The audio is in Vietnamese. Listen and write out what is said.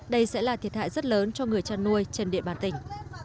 đây sẽ là thiệt hại rất lớn cho người chăn nuôi trên địa bàn tỉnh